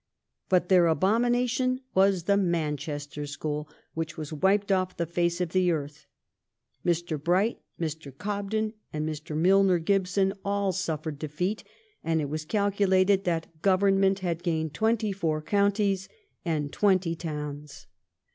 But their abomination was the Manchester school, which was wiped off the face of the earth. Mr. Bright, Mr. Cobden, and Mr. Milner Gibson all suffered defeat, and it was calculated that Government had gained twenty four counties and twenty towns.